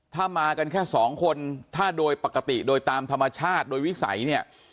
ถ้ามากันแค่สองคนถ้าโดยปกติโดยตามธรรมชาติโดยวิสัยเนี่ย